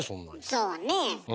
そうねえ。